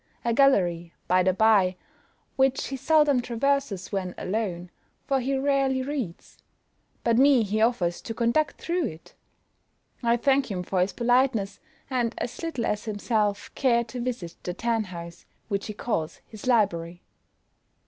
a gallery, by the bye, which he seldom traverses when alone, for he rarely reads; but me he offers to conduct through it! I thank him for his politeness, and as little as himself care to visit the tan house, which he calls his library."